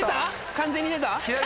完全に出た。